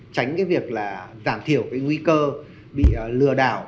tránh cái việc là giảm thiểu cái nguy cơ bị lừa đảo